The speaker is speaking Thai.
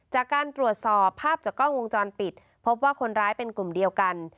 จากการตรวจสอบภาพจากกล้องวงจรปิดพบว่าคนร้ายเป็นกลุ่มเดียวกัน